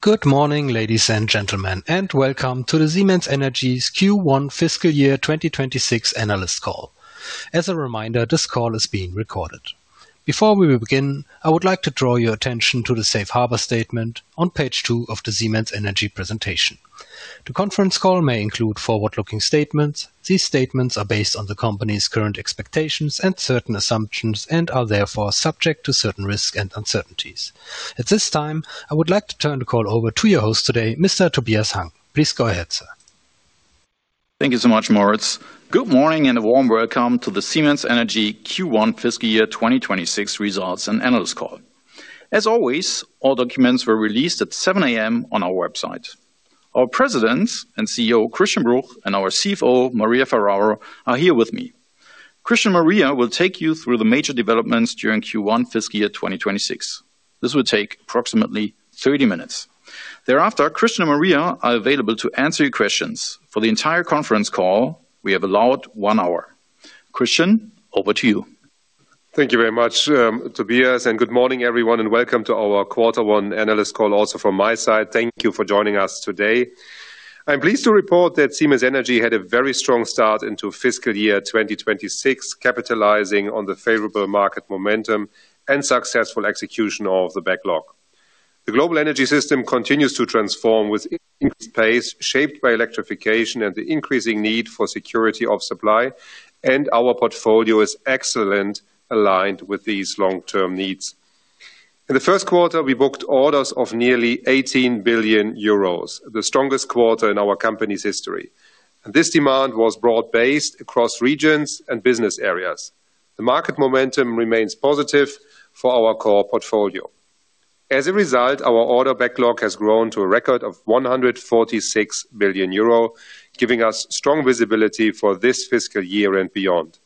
Good morning, ladies and gentlemen, and welcome to the Siemens Energy's Q1 fiscal year 2026 analyst call. As a reminder, this call is being recorded. Before we begin, I would like to draw your attention to the safe harbor statement on page 2 of the Siemens Energy presentation. The conference call may include forward-looking statements. These statements are based on the company's current expectations and certain assumptions, and are therefore subject to certain risks and uncertainties. At this time, I would like to turn the call over to your host today, Mr. Tobias Hang. Please go ahead, sir. Thank you so much, Moritz. Good morning, and a warm welcome to the Siemens Energy Q1 fiscal year 2026 results and analyst call. As always, all documents were released at 7:00 A.M. on our website. Our President and CEO, Christian Bruch, and our CFO, Maria Ferraro, are here with me. Christian and Maria will take you through the major developments during Q1 fiscal year 2026. This will take approximately 30 minutes. Thereafter, Christian and Maria are available to answer your questions. For the entire conference call, we have allowed 1 hour. Christian, over to you. Thank you very much, Tobias, and good morning, everyone, and welcome to our Quarter One analyst call. Also from my side, thank you for joining us today. I'm pleased to report that Siemens Energy had a very strong start into fiscal year 2026, capitalizing on the favorable market momentum and successful execution of the backlog. The global energy system continues to transform with increased pace, shaped by electrification and the increasing need for security of supply, and our portfolio is excellent aligned with these long-term needs. In the first quarter, we booked orders of nearly 18 billion euros, the strongest quarter in our company's history. This demand was broad-based across regions and business areas. The market momentum remains positive for our core portfolio. As a result, our order backlog has grown to a record of 146 billion euro, giving us strong visibility for this fiscal year and beyond.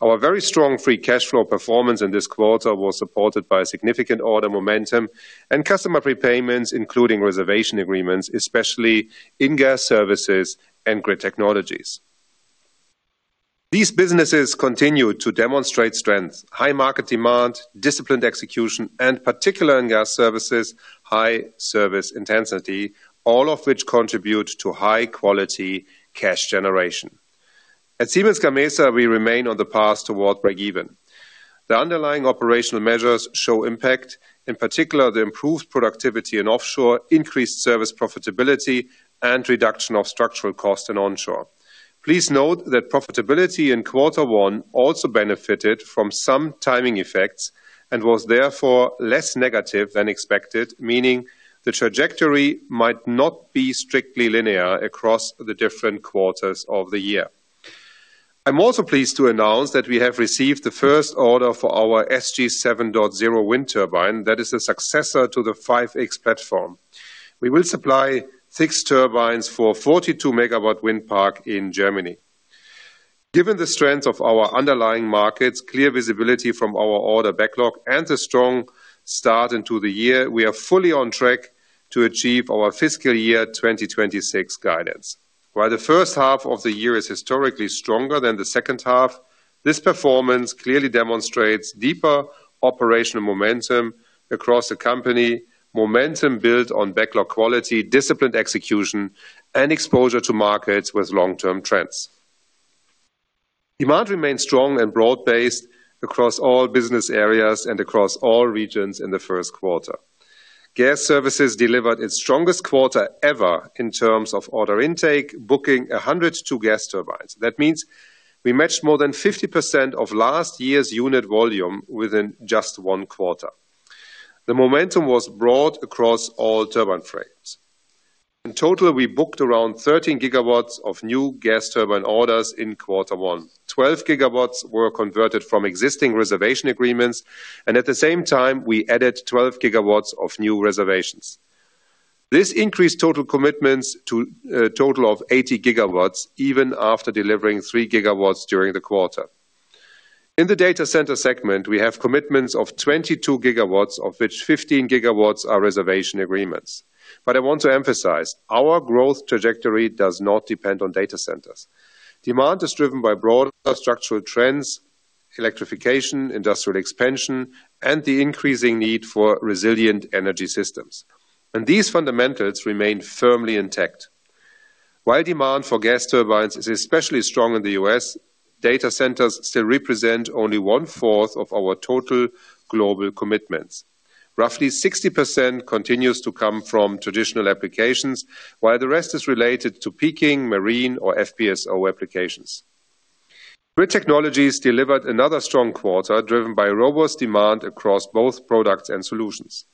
Our very strong free cash flow performance in this quarter was supported by a significant order momentum and customer prepayments, including reservation agreements, especially in Gas Services and Grid Technologies. These businesses continue to demonstrate strength, high market demand, disciplined execution, and particularly in Gas Services, high service intensity, all of which contribute to high-quality cash generation. At Siemens Gamesa, we remain on the path toward breakeven. The underlying operational measures show impact, in particular, the improved productivity in offshore, increased service profitability, and reduction of structural cost in onshore. Please note that profitability in quarter one also benefited from some timing effects and was therefore less negative than expected, meaning the trajectory might not be strictly linear across the different quarters of the year. I'm also pleased to announce that we have received the first order for our SG 7.0 wind turbine, that is a successor to the 5.X platform. We will supply 6 turbines for a 42 MW wind park in Germany. Given the strength of our underlying markets, clear visibility from our order backlog, and the strong start into the year, we are fully on track to achieve our fiscal year 2026 guidance. While the first half of the year is historically stronger than the second half, this performance clearly demonstrates deeper operational momentum across the company, momentum built on backlog quality, disciplined execution, and exposure to markets with long-term trends. Demand remained strong and broad-based across all business areas and across all regions in the first quarter. Gas services delivered its strongest quarter ever in terms of order intake, booking 102 gas turbines. That means we matched more than 50% of last year's unit volume within just one quarter. The momentum was broad across all turbine frames. In total, we booked around 13 gigawatts of new gas turbine orders in quarter one. 12 gigawatts were converted from existing reservation agreements, and at the same time, we added 12 gigawatts of new reservations. This increased total commitments to a total of 80 gigawatts, even after delivering 3 gigawatts during the quarter. In the data center segment, we have commitments of 22 gigawatts, of which 15 gigawatts are reservation agreements. But I want to emphasize, our growth trajectory does not depend on data centers. Demand is driven by broader structural trends, electrification, industrial expansion, and the increasing need for resilient energy systems, and these fundamentals remain firmly intact. While demand for gas turbines is especially strong in the U.S., data centers still represent only one-fourth of our total global commitments. Roughly 60% continues to come from traditional applications, while the rest is related to peaking, marine, or FPSO applications. Grid technologies delivered another strong quarter, driven by robust demand across both products and solutions.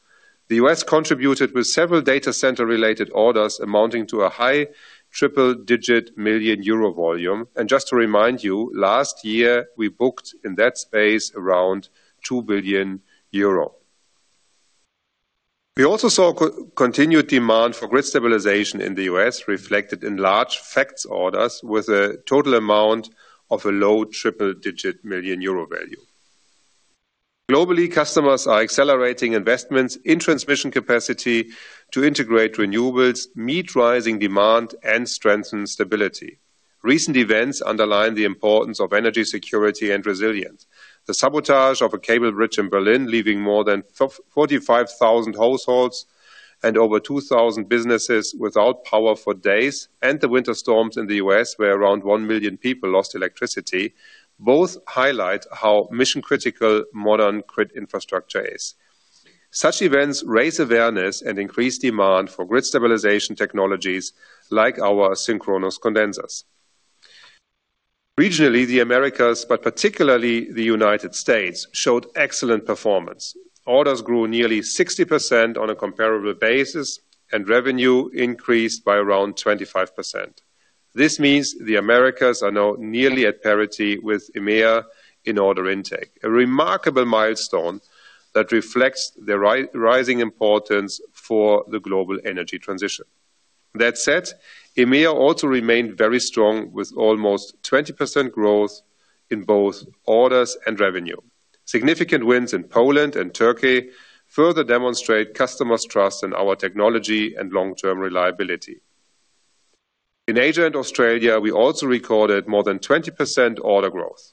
The U.S. contributed with several data center-related orders amounting to a high triple-digit million EUR volume. Just to remind you, last year, we booked in that space around 2 billion euro. We also saw continued demand for grid stabilization in the U.S., reflected in large FACTS orders with a total amount of a low triple-digit million EUR value. Globally, customers are accelerating investments in transmission capacity to integrate renewables, meet rising demand, and strengthen stability. Recent events underline the importance of energy security and resilience. The sabotage of a cable bridge in Berlin, leaving more than 45,000 households and over 2,000 businesses without power for days, and the winter storms in the U.S., where around 1,000,000 people lost electricity, both highlight how mission-critical modern grid infrastructure is. Such events raise awareness and increase demand for grid stabilization technologies like our synchronous condensers. Regionally, the Americas, but particularly the United States, showed excellent performance. Orders grew nearly 60% on a comparable basis, and revenue increased by around 25%. This means the Americas are now nearly at parity with EMEA in order intake, a remarkable milestone that reflects the rising importance for the global energy transition. That said, EMEA also remained very strong, with almost 20% growth in both orders and revenue. Significant wins in Poland and Turkey further demonstrate customers' trust in our technology and long-term reliability. In Asia and Australia, we also recorded more than 20% order growth.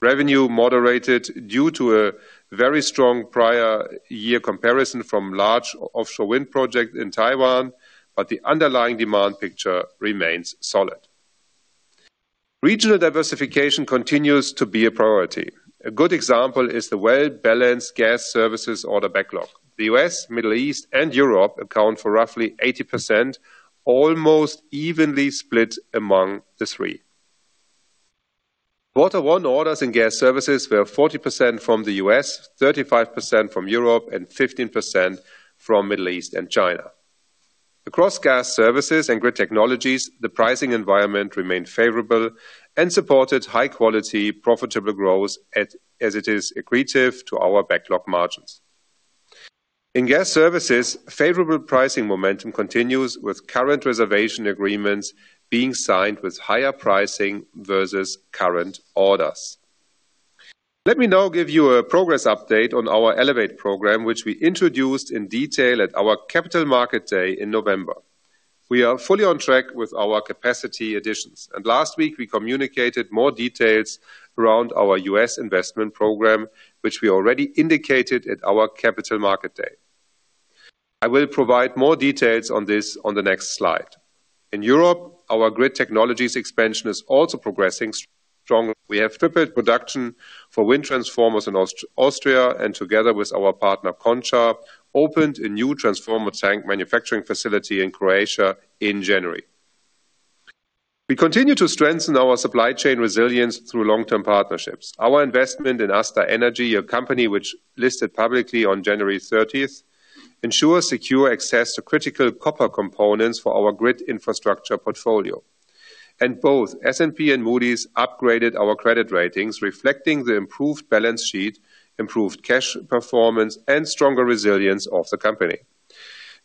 Revenue moderated due to a very strong prior year comparison from large offshore wind project in Taiwan, but the underlying demand picture remains solid. Regional diversification continues to be a priority. A good example is the well-balanced Gas Services order backlog. The U.S., Middle East, and Europe account for roughly 80%, almost evenly split among the three. Quarter one orders in Gas Services were 40% from the U.S., 35% from Europe, and 15% from Middle East and China. Across Gas Services and Grid Technologies, the pricing environment remained favorable and supported high-quality, profitable growth as it is accretive to our backlog margins. In Gas Services, favorable pricing momentum continues, with current reservation agreements being signed with higher pricing versus current orders. Let me now give you a progress update on our Elevate program, which we introduced in detail at our Capital Markets Day in November. We are fully on track with our capacity additions, and last week, we communicated more details around our U.S. investment program, which we already indicated at our Capital Markets Day. I will provide more details on this on the next slide. In Europe, our Grid Technologies expansion is also progressing strongly. We have tripled production for wind transformers in Austria, and together with our partner, Končar, opened a new transformer tank manufacturing facility in Croatia in January. We continue to strengthen our supply chain resilience through long-term partnerships. Our investment in ASTA Energy, a company which listed publicly on January thirtieth, ensures secure access to critical copper components for our grid infrastructure portfolio. Both S&P and Moody's upgraded our credit ratings, reflecting the improved balance sheet, improved cash performance, and stronger resilience of the company.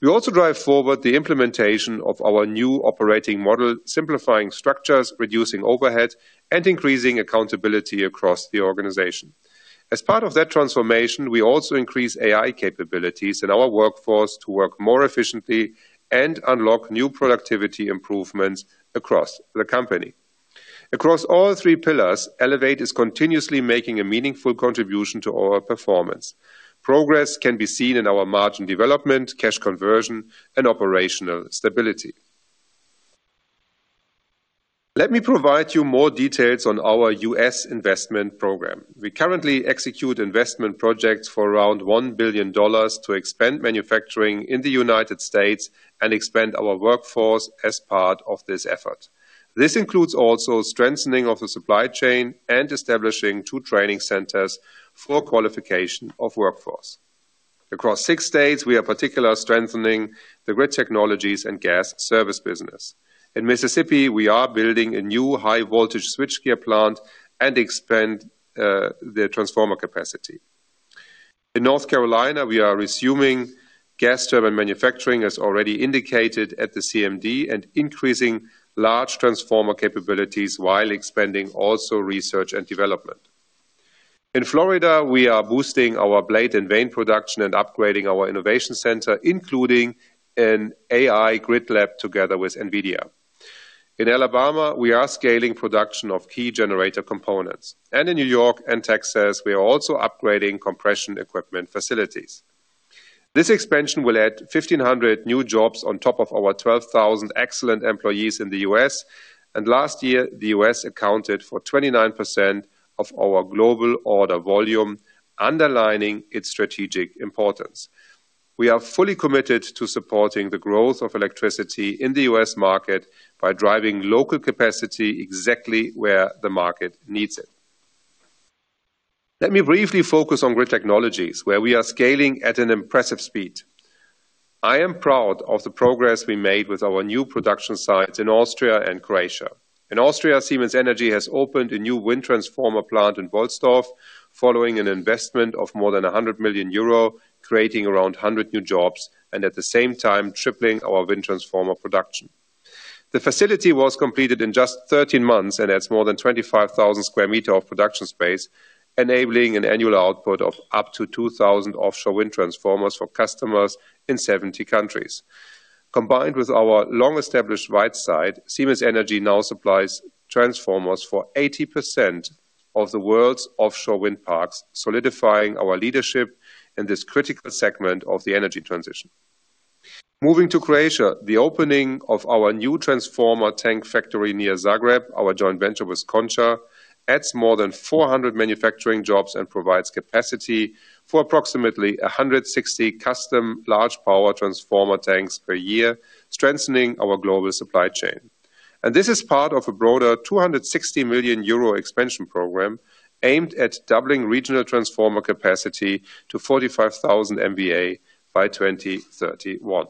We also drive forward the implementation of our new operating model, simplifying structures, reducing overhead, and increasing accountability across the organization. As part of that transformation, we also increase AI capabilities in our workforce to work more efficiently and unlock new productivity improvements across the company. Across all three pillars, Elevate is continuously making a meaningful contribution to our performance. Progress can be seen in our margin development, cash conversion, and operational stability. Let me provide you more details on our U.S. investment program. We currently execute investment projects for around $1 billion to expand manufacturing in the United States and expand our workforce as part of this effort. This includes also strengthening of the supply chain and establishing two training centers for qualification of workforce. Across six states, we are particularly strengthening the Grid Technologies and gas service business. In Mississippi, we are building a new high-voltage switchgear plant and expand the transformer capacity. In North Carolina, we are resuming gas turbine manufacturing, as already indicated at the CMD, and increasing large transformer capabilities while expanding also research and development. In Florida, we are boosting our blade and vane production and upgrading our innovation center, including an AI grid lab together with NVIDIA. In Alabama, we are scaling production of key generator components. In New York and Texas, we are also upgrading compression equipment facilities. This expansion will add 1,500 new jobs on top of our 12,000 excellent employees in the US. Last year, the US accounted for 29% of our global order volume, underlining its strategic importance. We are fully committed to supporting the growth of electricity in the US market by driving local capacity exactly where the market needs it. Let me briefly focus on Grid Technologies, where we are scaling at an impressive speed. I am proud of the progress we made with our new production sites in Austria and Croatia. In Austria, Siemens Energy has opened a new wind transformer plant in Wollsdorf, following an investment of more than 100 million euro, creating around 100 new jobs, and at the same time, tripling our wind transformer production. The facility was completed in just 13 months and has more than 25,000 square meters of production space, enabling an annual output of up to 2,000 offshore wind transformers for customers in 70 countries. Combined with our long-established right side, Siemens Energy now supplies transformers for 80% of the world's offshore wind parks, solidifying our leadership in this critical segment of the energy transition. Moving to Croatia, the opening of our new transformer tank factory near Zagreb, our joint venture with Končar, adds more than 400 manufacturing jobs and provides capacity for approximately 160 custom large power transformer tanks per year, strengthening our global supply chain. This is part of a broader 260 million euro expansion program aimed at doubling regional transformer capacity to 45,000 MVA by 2031.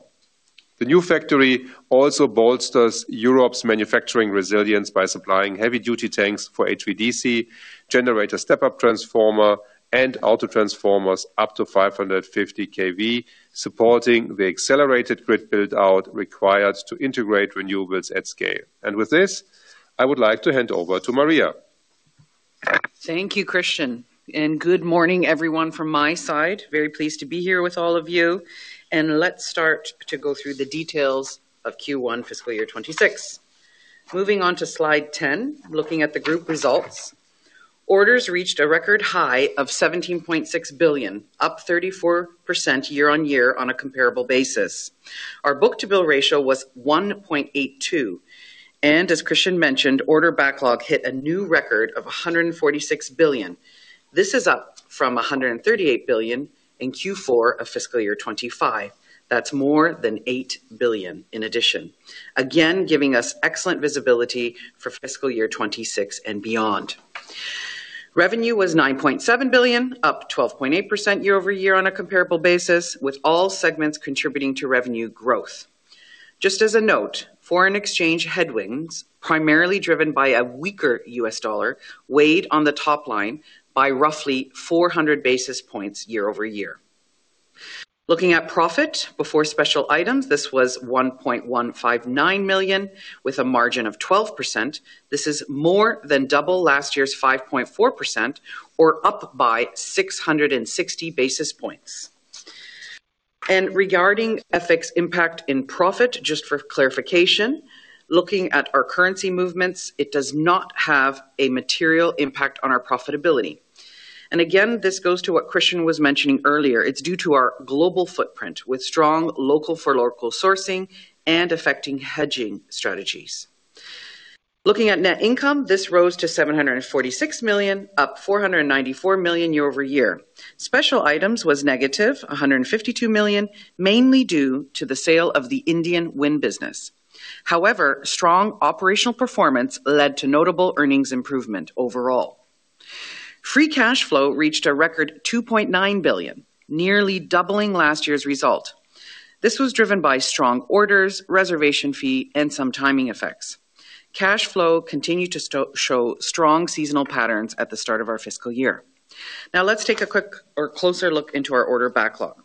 The new factory also bolsters Europe's manufacturing resilience by supplying heavy duty tanks for HVDC, generator step-up transformer, and autotransformers up to 550 kV, supporting the accelerated grid build-out required to integrate renewables at scale. With this, I would like to hand over to Maria. Thank you, Christian, and good morning everyone from my side. Very pleased to be here with all of you, and let's start to go through the details of Q1 fiscal year 2026. Moving on to slide 10, looking at the group results. Orders reached a record high of 17.6 billion, up 34% year-on-year on a comparable basis. Our book-to-bill ratio was 1.82, and as Christian mentioned, order backlog hit a new record of 146 billion. This is up from 138 billion in Q4 of fiscal year 2025. That's more than 8 billion in addition. Again, giving us excellent visibility for fiscal year 2026 and beyond. Revenue was 9.7 billion, up 12.8% year-over-year on a comparable basis, with all segments contributing to revenue growth. Just as a note, foreign exchange headwinds, primarily driven by a weaker US dollar, weighed on the top line by roughly 400 basis points year-over-year. Looking at profit before special items, this was 1.159 million, with a margin of 12%. This is more than double last year's 5.4%, or up by 660 basis points. Regarding FX impact in profit, just for clarification, looking at our currency movements, it does not have a material impact on our profitability. Again, this goes to what Christian was mentioning earlier. It's due to our global footprint, with strong local for local sourcing and affecting hedging strategies. Looking at net income, this rose to 746 million, up 494 million year-over-year. Special items was negative 152 million, mainly due to the sale of the Indian wind business. However, strong operational performance led to notable earnings improvement overall. Free cash flow reached a record 2.9 billion, nearly doubling last year's result. This was driven by strong orders, reservation fee, and some timing effects. Cash flow continued to show strong seasonal patterns at the start of our fiscal year. Now let's take a closer look into our order backlog.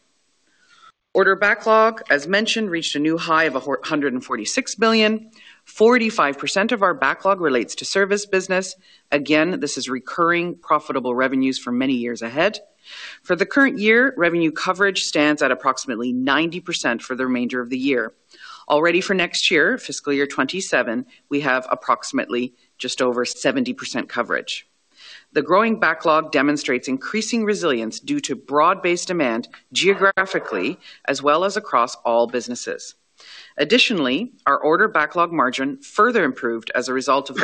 Order backlog, as mentioned, reached a new high of 146 billion. 45% of our backlog relates to service business. Again, this is recurring, profitable revenues for many years ahead. For the current year, revenue coverage stands at approximately 90% for the remainder of the year. Already for next year, fiscal year 2027, we have approximately just over 70% coverage. The growing backlog demonstrates increasing resilience due to broad-based demand geographically, as well as across all businesses. Additionally, our order backlog margin further improved as a result of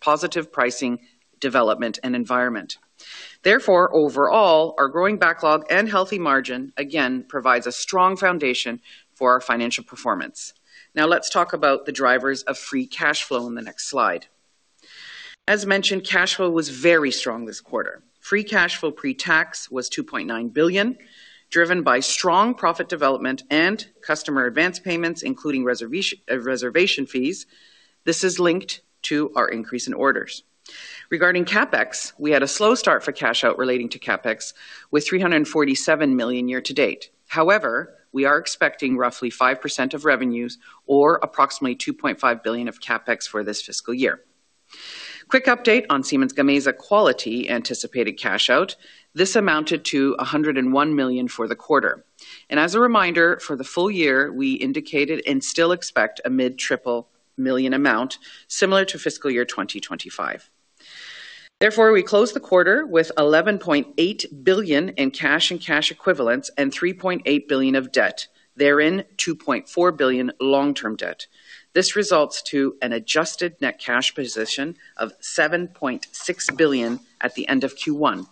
positive pricing, development, and environment. Therefore, overall, our growing backlog and healthy margin, again, provides a strong foundation for our financial performance. Now, let's talk about the drivers of free cash flow in the next slide. As mentioned, cash flow was very strong this quarter. Free cash flow pre-tax was 2.9 billion, driven by strong profit development and customer advance payments, including reservation fees. This is linked to our increase in orders. Regarding CapEx, we had a slow start for cash out relating to CapEx, with 347 million year to date. However, we are expecting roughly 5% of revenues or approximately 2.5 billion of CapEx for this fiscal year. Quick update on Siemens Gamesa quality anticipated cash out. This amounted to 101 million for the quarter. As a reminder, for the full year, we indicated and still expect a mid-triple million amount, similar to fiscal year 2025. Therefore, we closed the quarter with EUR 11.8 billion in cash and cash equivalents and EUR 3.8 billion of debt, therein, EUR 2.4 billion long-term debt. This results to an adjusted net cash position of EUR 7.6 billion at the end of Q1.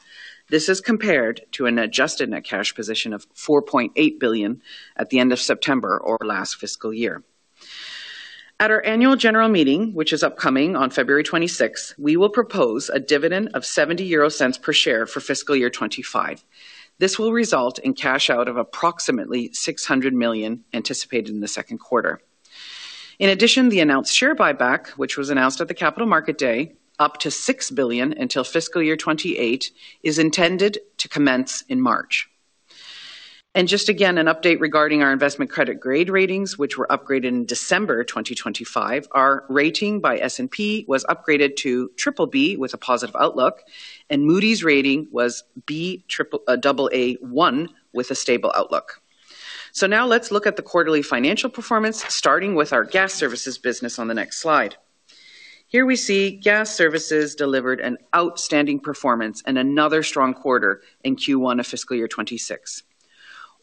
This is compared to an adjusted net cash position of EUR 4.8 billion at the end of September or last fiscal year. At our annual general meeting, which is upcoming on February 26, we will propose a dividend of 0.70 per share for fiscal year 2025. This will result in cash out of approximately 600 million, anticipated in the second quarter. In addition, the announced share buyback, which was announced at the Capital Markets Day, up to 6 billion until fiscal year 2028, is intended to commence in March. Just again, an update regarding our investment-grade credit ratings, which were upgraded in December 2025. Our rating by S&P was upgraded to BBB with a positive outlook, and Moody's rating was Baa1 with a stable outlook. Now let's look at the quarterly financial performance, starting with our Gas Services business on the next slide. Here we see Gas Services delivered an outstanding performance and another strong quarter in Q1 of fiscal year 2026.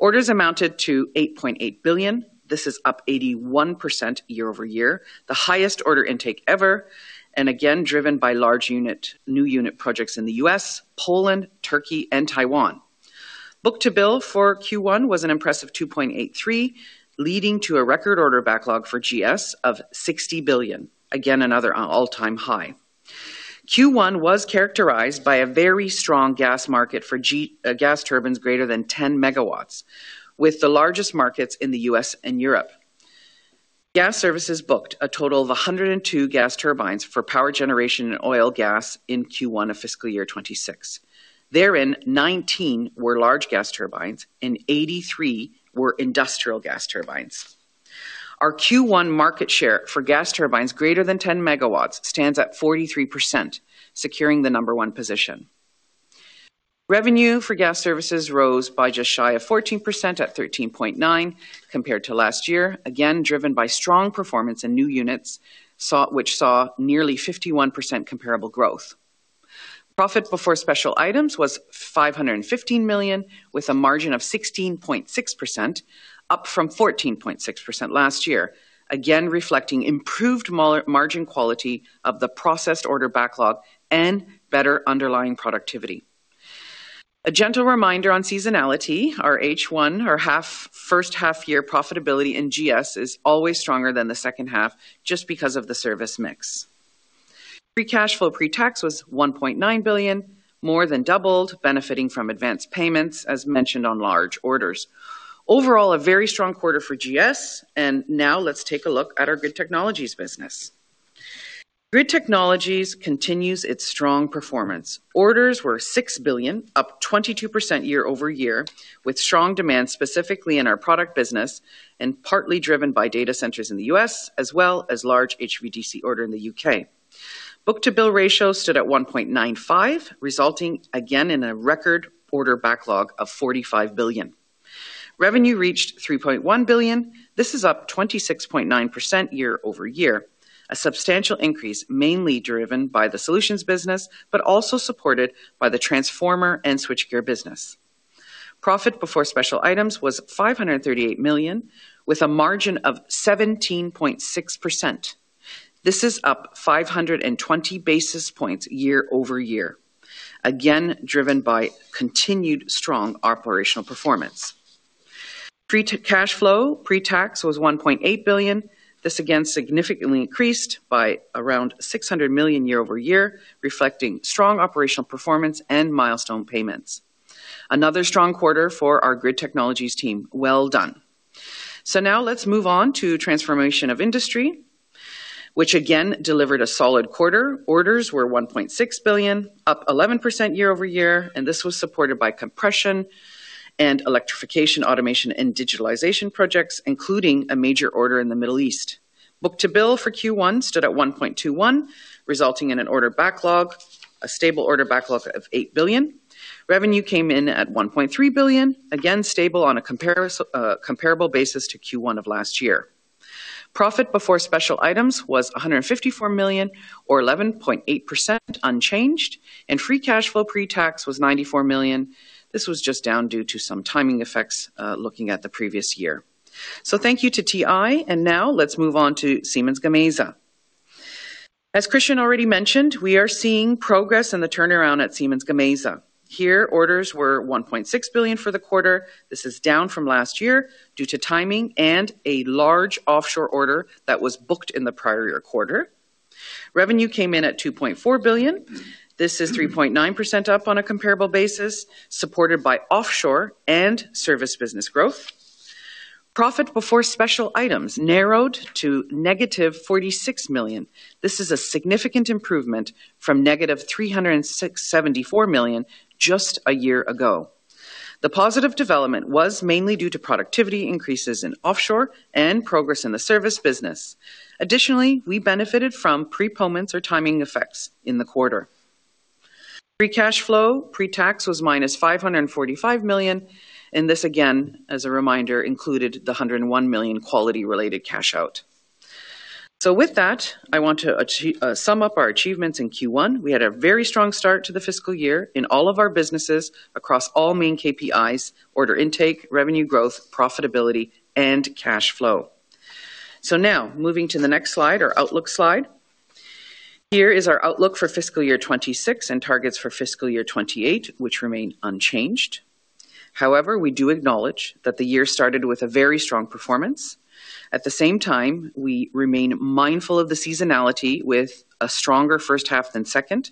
Orders amounted to 8.8 billion. This is up 81% year-over-year, the highest order intake ever, and again, driven by large unit, new unit projects in the U.S., Poland, Turkey, and Taiwan. Book-to-bill for Q1 was an impressive 2.83, leading to a record order backlog for GS of 60 billion. Again, another, all-time high. Q1 was characterized by a very strong gas market for gas turbines greater than 10 MW, with the largest markets in the U.S. and Europe. Gas services booked a total of 102 gas turbines for power generation and oil gas in Q1 of fiscal year 2026. Therein, 19 were large gas turbines and 83 were industrial gas turbines. Our Q1 market share for gas turbines greater than 10 MW stands at 43%, securing the number one position. Revenue for Gas Services rose by just shy of 14% at 13.9 billion, compared to last year, again, driven by strong performance in new units, which saw nearly 51% comparable growth. Profit before special items was 515 million, with a margin of 16.6%, up from 14.6% last year, again, reflecting improved margin quality of the processed order backlog and better underlying productivity. A gentle reminder on seasonality, our H1, our first half year profitability in GS is always stronger than the second half, just because of the service mix. Free cash flow pre-tax was 1.9 billion, more than doubled, benefiting from advanced payments, as mentioned on large orders. Overall, a very strong quarter for GS, and now let's take a look at our Grid Technologies business. Grid Technologies continues its strong performance. Orders were 6 billion, up 22% year-over-year, with strong demand specifically in our product business and partly driven by data centers in the U.S., as well as large HVDC order in the U.K. Book-to-bill ratio stood at 1.95, resulting again in a record order backlog of 45 billion. Revenue reached 3.1 billion. This is up 26.9% year-over-year, a substantial increase, mainly driven by the solutions business, but also supported by the transformer and switchgear business. Profit before special items was 538 million, with a margin of 17.6%. This is up 520 basis points year-over-year, again, driven by continued strong operational performance. Free cash flow, pre-tax was 1.8 billion. This again significantly increased by around 600 million year-over-year, reflecting strong operational performance and milestone payments. Another strong quarter for our Grid Technologies team. Well done. So now let's move on to Transformation of Industry, which again delivered a solid quarter. Orders were 1.6 billion, up 11% year-over-year, and this was supported by compression and electrification, automation, and digitalization projects, including a major order in the Middle East. Book-to-bill for Q1 stood at 1.21, resulting in an order backlog, a stable order backlog of 8 billion. Revenue came in at 1.3 billion, again stable on a comparison, comparable basis to Q1 of last year. Profit before special items was 154 million or 11.8% unchanged, and free cash flow pre-tax was 94 million. This was just down due to some timing effects, looking at the previous year. So thank you to TI, and now let's move on to Siemens Gamesa. As Christian already mentioned, we are seeing progress in the turnaround at Siemens Gamesa. Here, orders were 1.6 billion for the quarter. This is down from last year due to timing and a large offshore order that was booked in the prior year quarter. Revenue came in at 2.4 billion. This is 3.9% up on a comparable basis, supported by offshore and service business growth. Profit before special items narrowed to -46 million. This is a significant improvement from -374 million just a year ago. The positive development was mainly due to productivity increases in offshore and progress in the service business. Additionally, we benefited from prepayments or timing effects in the quarter. Free cash flow pre-tax was -545 million, and this, again, as a reminder, included the 101 million quality-related cash out. So with that, I want to sum up our achievements in Q1. We had a very strong start to the fiscal year in all of our businesses across all main KPIs, order intake, revenue growth, profitability, and cash flow. So now moving to the next slide, our outlook slide. Here is our outlook for fiscal year 2026 and targets for fiscal year 2028, which remain unchanged. However, we do acknowledge that the year started with a very strong performance. At the same time, we remain mindful of the seasonality with a stronger first half than second.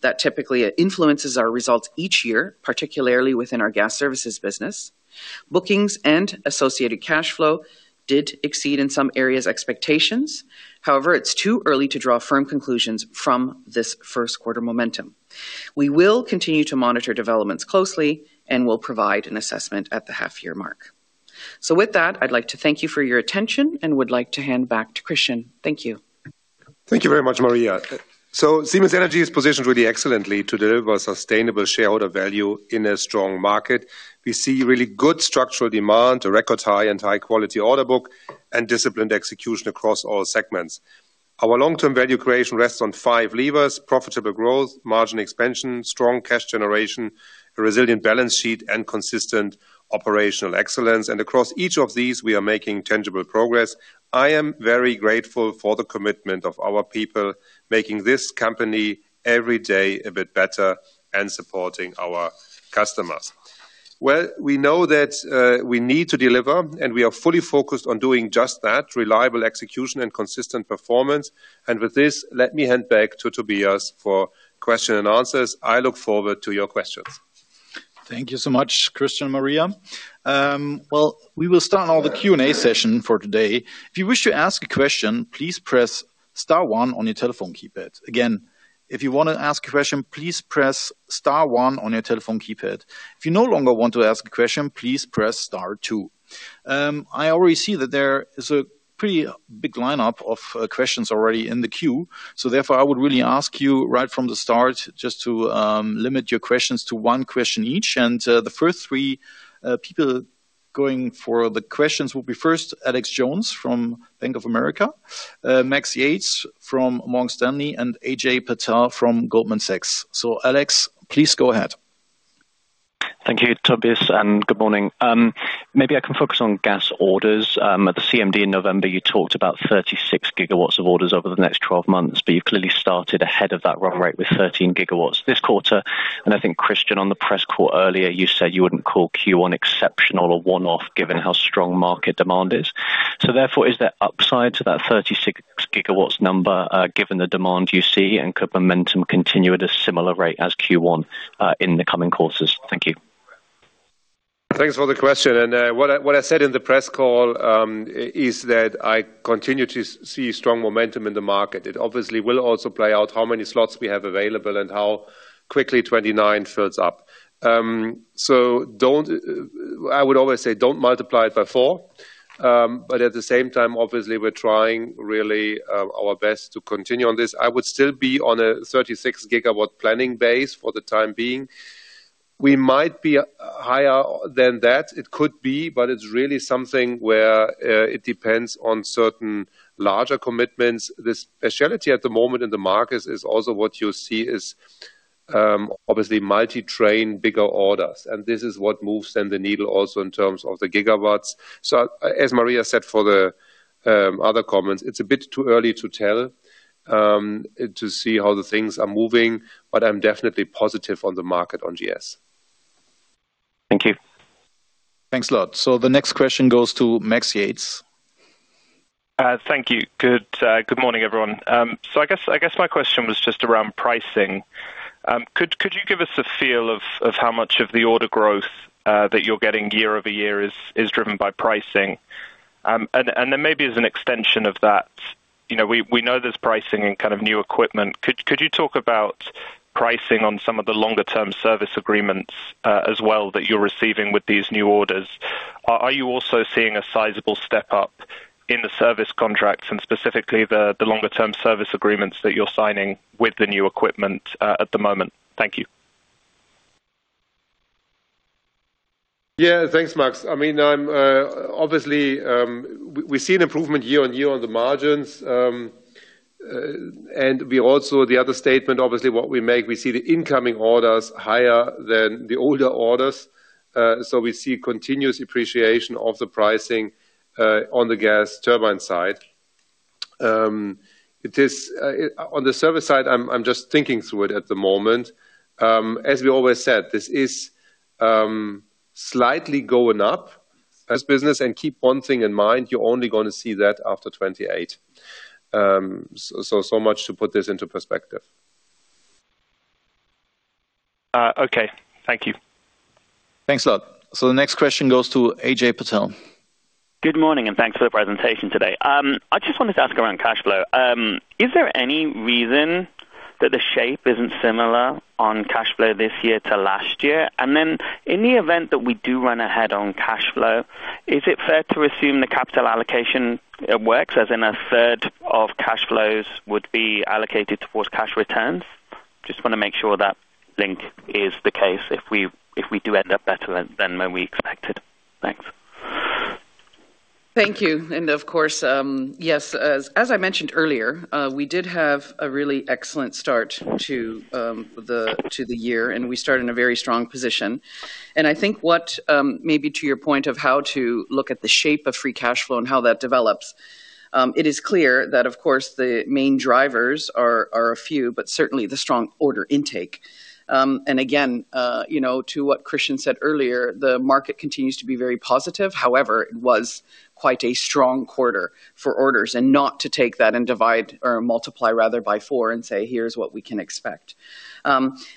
That typically influences our results each year, particularly within our Gas Services business. Bookings and associated cash flow did exceed in some areas' expectations. However, it's too early to draw firm conclusions from this first quarter momentum. We will continue to monitor developments closely, and we'll provide an assessment at the half-year mark. With that, I'd like to thank you for your attention and would like to hand back to Christian. Thank you.... Thank you very much, Maria. So Siemens Energy is positioned really excellently to deliver sustainable shareholder value in a strong market. We see really good structural demand, a record high and high-quality order book, and disciplined execution across all segments. Our long-term value creation rests on five levers: profitable growth, margin expansion, strong cash generation, a resilient balance sheet, and consistent operational excellence. And across each of these, we are making tangible progress. I am very grateful for the commitment of our people, making this company every day a bit better and supporting our customers. Well, we know that, we need to deliver, and we are fully focused on doing just that, reliable execution and consistent performance. And with this, let me hand back to Tobias for question and answers. I look forward to your questions. Thank you so much, Christian and Maria. Well, we will start now the Q&A session for today. If you wish to ask a question, please press star one on your telephone keypad. Again, if you want to ask a question, please press star one on your telephone keypad. If you no longer want to ask a question, please press star two. I already see that there is a pretty big lineup of questions already in the queue, so therefore, I would really ask you right from the start, just to limit your questions to one question each. And the first three people going for the questions will be first, Alex Jones from Bank of America, Max Yates from Morgan Stanley, and A.J. Patel from Goldman Sachs. So, Alex, please go ahead. Thank you, Tobias, and good morning. Maybe I can focus on gas orders. At the CMD in November, you talked about 36 GW of orders over the next 12 months, but you clearly started ahead of that run rate with 13 GW this quarter. And I think, Christian, on the press call earlier, you said you wouldn't call Q1 exceptional or one-off, given how strong market demand is. So therefore, is there upside to that 36 GW number, given the demand you see, and could momentum continue at a similar rate as Q1, in the coming quarters? Thank you. Thanks for the question. What I said in the press call is that I continue to see strong momentum in the market. It obviously will also play out how many slots we have available and how quickly 2029 fills up. So don't... I would always say, don't multiply it by four. But at the same time, obviously, we're trying really our best to continue on this. I would still be on a 36 GW planning base for the time being. We might be higher than that. It could be, but it's really something where it depends on certain larger commitments. The specialty at the moment in the markets is also what you see is obviously multi-train, bigger orders, and this is what moves then the needle also in terms of the gigawatts. So as Maria said, for the other comments, it's a bit too early to tell, to see how the things are moving, but I'm definitely positive on the market on GS. Thank you. Thanks a lot. So the next question goes to Max Yates. Thank you. Good morning, everyone. So I guess my question was just around pricing. Could you give us a feel of how much of the order growth that you're getting year-over-year is driven by pricing? And then maybe as an extension of that, you know, we know there's pricing in kind of new equipment. Could you talk about pricing on some of the longer-term service agreements as well that you're receiving with these new orders? Are you also seeing a sizable step up in the service contracts and specifically the longer-term service agreements that you're signing with the new equipment at the moment? Thank you. Yeah. Thanks, Max. I mean, I'm obviously we see an improvement year on year on the margins, and we also, the other statement, obviously, what we make, we see the incoming orders higher than the older orders. So we see continuous appreciation of the pricing on the gas turbine side. It is on the service side, I'm just thinking through it at the moment. As we always said, this is slightly going up as business, and keep one thing in mind, you're only going to see that after 2028. So much to put this into perspective. Okay. Thank you. Thanks a lot. So the next question goes to Ajay Patel. Good morning, and thanks for the presentation today. I just wanted to ask around cash flow. Is there any reason that the shape isn't similar on cash flow this year to last year? And then, in the event that we do run ahead on cash flow, is it fair to assume the capital allocation, it works, as in a third of cash flows would be allocated towards cash returns? Just want to make sure that link is the case if we do end up better than when we expected. Thanks. Thank you. And of course, yes, as I mentioned earlier, we did have a really excellent start to the year, and we start in a very strong position. And I think, maybe to your point of how to look at the shape of free cash flow and how that develops, it is clear that of course, the main drivers are a few, but certainly the strong order intake. And again, you know, to what Christian said earlier, the market continues to be very positive. However, it was quite a strong quarter for orders, and not to take that and divide or multiply rather by four and say, "Here's what we can expect."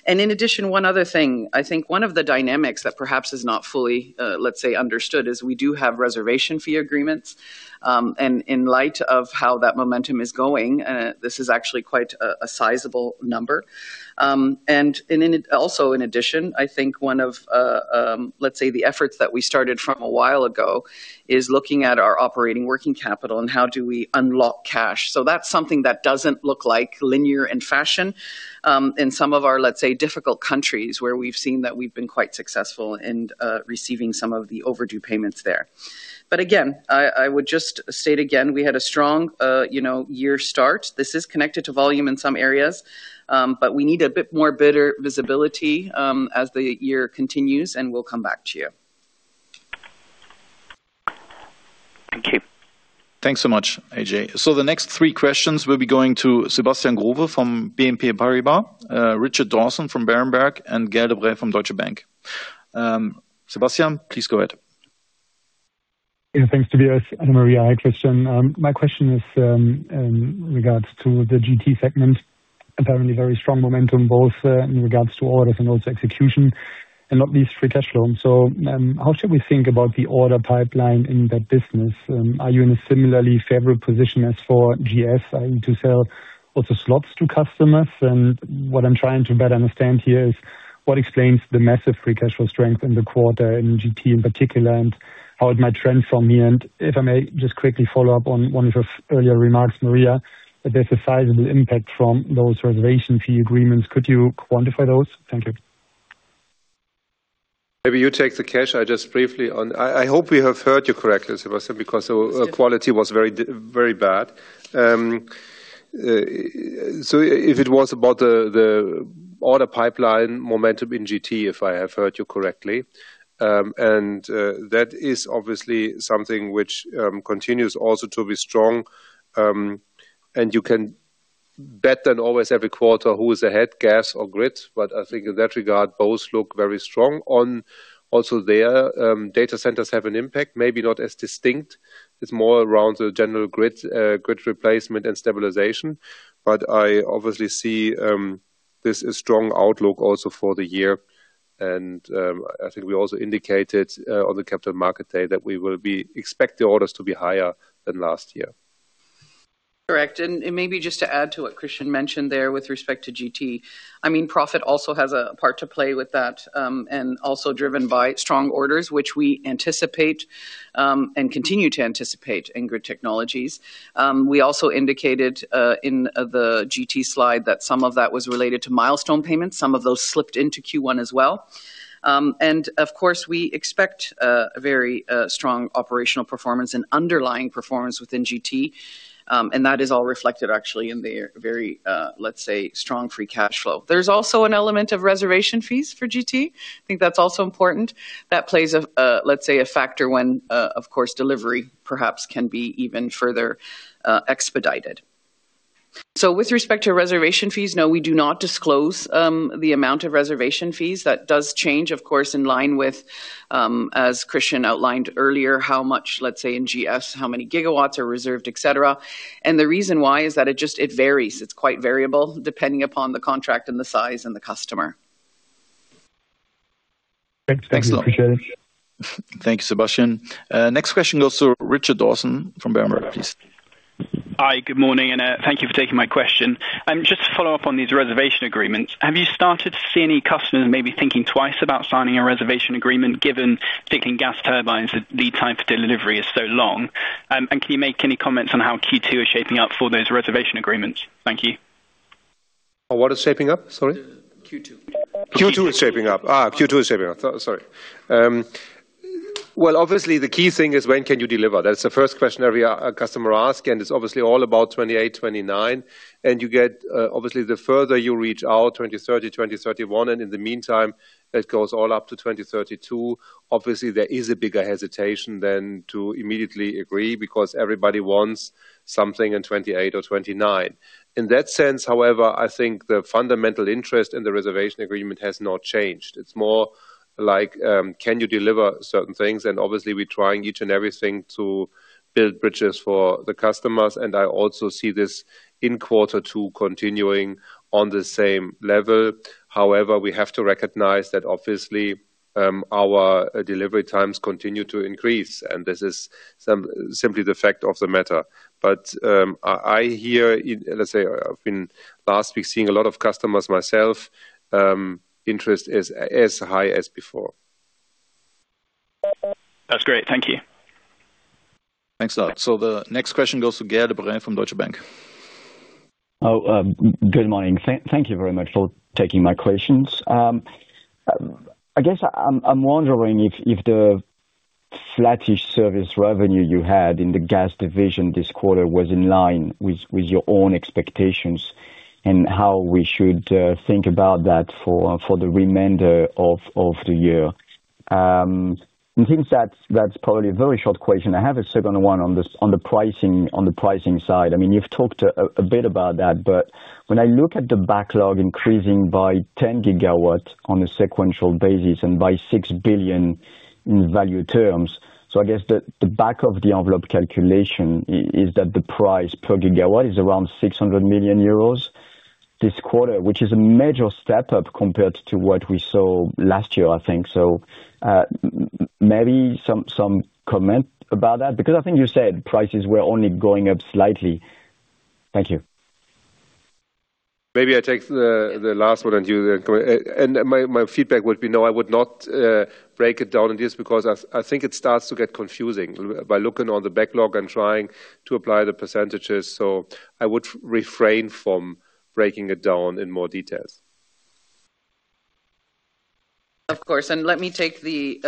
And in addition, one other thing, I think one of the dynamics that perhaps is not fully, let's say, understood, is we do have reservation fee agreements. And in light of how that momentum is going, this is actually quite a sizable number. And also, in addition, I think one of, let's say, the efforts that we started from a while ago is looking at our operating working capital and how do we unlock cash. So that's something that doesn't look like linear in fashion, in some of our, let's say, difficult countries, where we've seen that we've been quite successful in receiving some of the overdue payments there. But again, I would just state again, we had a strong, you know, year start. This is connected to volume in some areas, but we need a bit more better visibility, as the year continues, and we'll come back to you. ... Thank you. Thanks so much, AJ. So the next three questions will be going to Sebastian Growe from BNP Paribas, Richard Dawson from Berenberg, and Gael de Bray from Deutsche Bank. Sebastian, please go ahead. Yeah, thanks, Tobias, Anna Maria, Christian. My question is, in regards to the GT segment. Apparently very strong momentum, both, in regards to orders and also execution, and not least free cash flow. So, how should we think about the order pipeline in that business? Are you in a similarly favorable position as for GS, to sell also slots to customers? And what I'm trying to better understand here is, what explains the massive free cash flow strength in the quarter in GT in particular, and how it might trend from here? And if I may just quickly follow up on one of your earlier remarks, Maria, that there's a sizable impact from those reservation fee agreements. Could you quantify those? Thank you. Maybe you take the cash. I hope we have heard you correctly, Sebastian, because the quality was very bad. So if it was about the order pipeline momentum in GT, if I have heard you correctly, and that is obviously something which continues also to be strong. And you can bet that always every quarter, who is ahead, gas or grid? But I think in that regard, both look very strong. On also there, data centers have an impact, maybe not as distinct. It's more around the general grid, grid replacement and stabilization. But I obviously see this as strong outlook also for the year, and I think we also indicated on the Capital Markets Day that we will expect the orders to be higher than last year. Correct. Maybe just to add to what Christian mentioned there with respect to GT, I mean, profit also has a part to play with that, and also driven by strong orders, which we anticipate and continue to anticipate in Grid Technologies. We also indicated in the GT slide that some of that was related to milestone payments. Some of those slipped into Q1 as well. Of course, we expect a very strong operational performance and underlying performance within GT. That is all reflected actually in the very, let's say, strong free cash flow. There's also an element of reservation fees for GT. I think that's also important. That plays a, let's say, a factor when, of course, delivery perhaps can be even further expedited. So with respect to reservation fees, no, we do not disclose the amount of reservation fees. That does change, of course, in line with as Christian outlined earlier, how much, let's say, in GS, how many gigawatts are reserved, et cetera. And the reason why is that it just, it varies. It's quite variable, depending upon the contract and the size and the customer. Thanks. Thanks a lot. Thank you, Sebastian. Next question goes to Richard Dawson from Berenberg, please. Hi, good morning, and thank you for taking my question. Just to follow up on these reservation agreements, have you started to see any customers maybe thinking twice about signing a reservation agreement, given thinking gas turbines, the lead time for delivery is so long? Can you make any comments on how Q2 is shaping up for those reservation agreements? Thank you. Oh, what is shaping up? Sorry. Q2. Q2 is shaping up. Sorry. Well, obviously, the key thing is when can you deliver? That's the first question every customer ask, and it's obviously all about 2028, 2029. And you get, obviously, the further you reach out, 2030, 2031, and in the meantime, it goes all up to 2032. Obviously, there is a bigger hesitation than to immediately agree, because everybody wants something in 2028 or 2029. In that sense, however, I think the fundamental interest in the reservation agreement has not changed. It's more like, can you deliver certain things? And obviously, we're trying each and everything to build bridges for the customers, and I also see this in quarter two continuing on the same level. However, we have to recognize that obviously, our delivery times continue to increase, and this is simply the fact of the matter. But, I hear in, let's say, I've been last week seeing a lot of customers myself, interest is as high as before. That's great. Thank you. Thanks a lot. So the next question goes to Gaël de Bray from Deutsche Bank. Oh, good morning. Thank you very much for taking my questions. I guess I'm wondering if the flattish service revenue you had in the gas division this quarter was in line with your own expectations, and how we should think about that for the remainder of the year? I think that's probably a very short question. I have a second one on the pricing side. I mean, you've talked a bit about that, but when I look at the backlog increasing by 10 gigawatts on a sequential basis and by 6 billion in value terms, so I guess the back of the envelope calculation is that the price per gigawatt is around 600 million euros this quarter, which is a major step up compared to what we saw last year, I think. So, maybe some comment about that? Because I think you said prices were only going up slightly. Thank you. Maybe I take the last one, and you then comment. My feedback would be, no, I would not break it down in this, because I think it starts to get confusing by looking on the backlog and trying to apply the percentages. So I would refrain from breaking it down in more details. Of course, and let me take the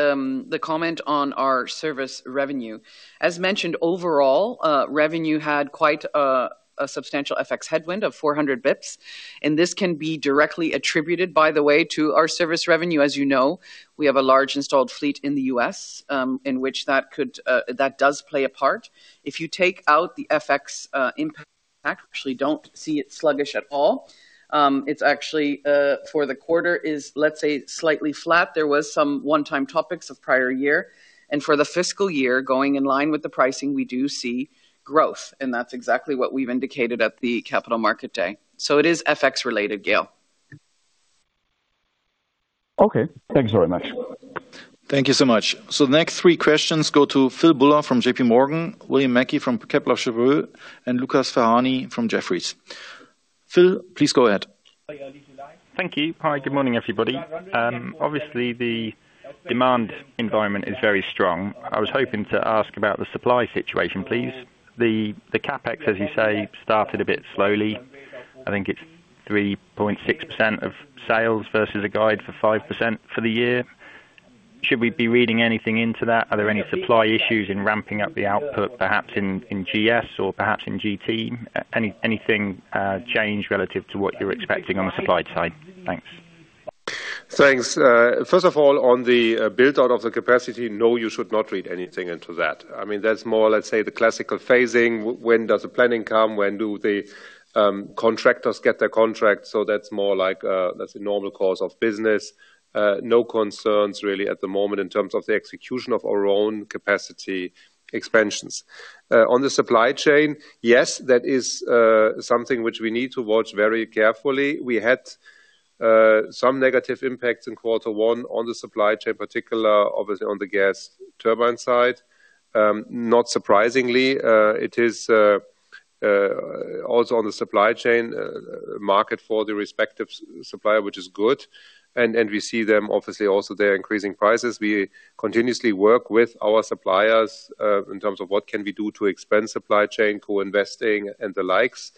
comment on our service revenue. As mentioned, overall revenue had quite a substantial FX headwind of 400 basis points, and this can be directly attributed, by the way, to our service revenue. As you know, we have a large installed fleet in the U.S., in which that could, that does play a part. If you take out the FX impact, I actually don't see it sluggish at all. It's actually for the quarter is, let's say, slightly flat. There was some one-time topics of prior year, and for the fiscal year, going in line with the pricing, we do see growth, and that's exactly what we've indicated at the Capital Markets Day. So it is FX-related, Gaël. Okay. Thanks very much. Thank you so much. So the next three questions go to Philip Buller from J.P. Morgan, William Mackie from Kepler Cheuvreux, and Lucas Ferhani from Jefferies. Phil, please go ahead. Thank you. Hi, good morning, everybody. Obviously, the demand environment is very strong. I was hoping to ask about the supply situation, please. The CapEx, as you say, started a bit slowly. I think it's 3.6% of sales versus a guide for 5% for the year. Should we be reading anything into that? Are there any supply issues in ramping up the output, perhaps in GS or perhaps in GT? Any change relative to what you're expecting on the supply side? Thanks. Thanks. First of all, on the build-out of the capacity, no, you should not read anything into that. I mean, that's more, let's say, the classical phasing. When does the planning come? When do the contractors get their contract? So that's more like that's the normal course of business. No concerns really at the moment in terms of the execution of our own capacity expansions. On the supply chain, yes, that is something which we need to watch very carefully. We had some negative impacts in quarter one on the supply chain, particular obviously on the gas turbine side. Not surprisingly, it is also on the supply chain market for the respective supplier, which is good. And we see them obviously also they're increasing prices. We continuously work with our suppliers in terms of what can we do to expand supply chain, co-investing, and the likes.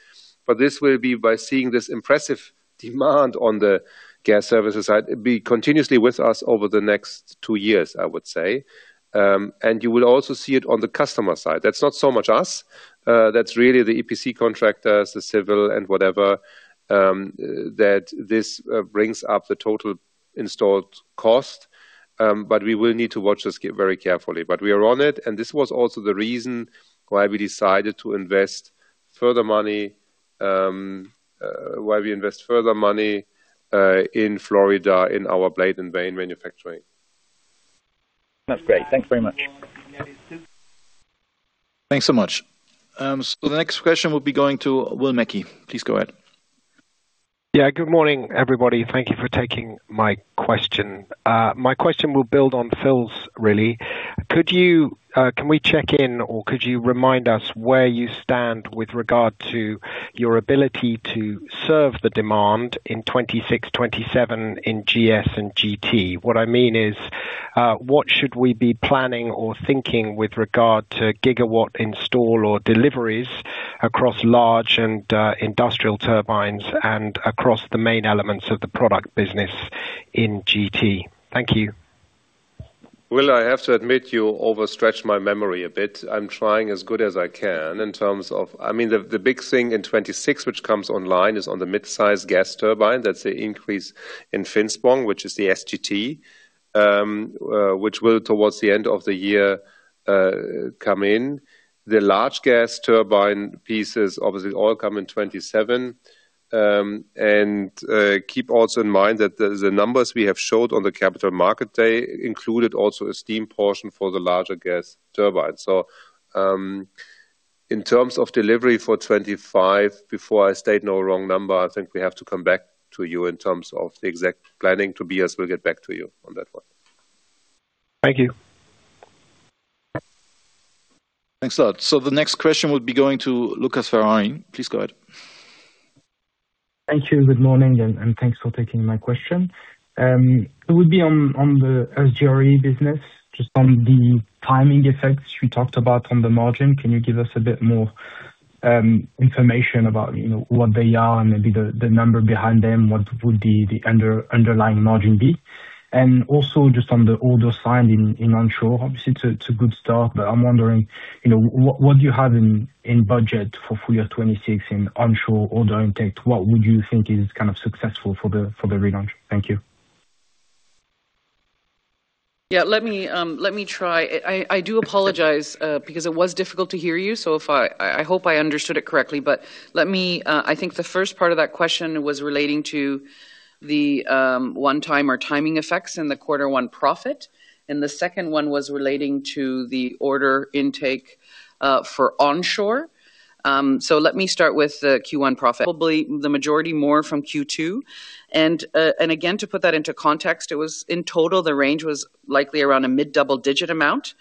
But this will be by seeing this impressive demand on the Gas Services side be continuously with us over the next two years, I would say. And you will also see it on the customer side. That's not so much us, that's really the EPC contractors, the civil and whatever that this brings up the total installed cost. But we will need to watch this very carefully. But we are on it, and this was also the reason why we decided to invest further money, why we invest further money in Florida, in our blade and vane manufacturing. That's great. Thanks very much. Thanks so much. So the next question will be going to Will Mackie. Please go ahead. Yeah, good morning, everybody. Thank you for taking my question. My question will build on Phil's, really. Could you, Can we check in, or could you remind us where you stand with regard to your ability to serve the demand in 2026, 2027 in GS and GT? What I mean is, what should we be planning or thinking with regard to gigawatt install or deliveries across large and, industrial turbines and across the main elements of the product business in GT? Thank you. Will, I have to admit, you overstretched my memory a bit. I'm trying as good as I can in terms of... I mean, the big thing in 2026, which comes online, is on the mid-sized gas turbine. That's the increase in Finspång, which is the SGT, which will, towards the end of the year, come in. The large gas turbine pieces obviously all come in 2027. And keep also in mind that the numbers we have showed on the Capital Markets Day included also a steam portion for the larger gas turbine. So, in terms of delivery for 2025, before I state no wrong number, I think we have to come back to you in terms of the exact planning. Tobias will get back to you on that one. Thank you. Thanks a lot. The next question would be going to Lucas Ferhani. Please go ahead. Thank you. Good morning, and thanks for taking my question. It would be on the SGRE business, just on the timing effects you talked about on the margin. Can you give us a bit more information about, you know, what they are and maybe the number behind them? What would the underlying margin be? And also, just on the orders signed in onshore, obviously, it's a good start, but I'm wondering, you know, what do you have in budget for full year 2026 in onshore order intake? What would you think is kind of successful for the relaunch? Thank you. Yeah, let me try. I do apologize because it was difficult to hear you, so if I hope I understood it correctly. But let me. I think the first part of that question was relating to the one-time or timing effects in the quarter one profit, and the second one was relating to the order intake for onshore. So let me start with the Q1 profit. Probably, the majority more from Q2. And again, to put that into context, it was in total, the range was likely around a mid-double-digit amount.